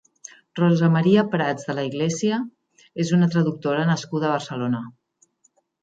Rosa Maria Prats de la Iglesia és una traductora nascuda a Barcelona.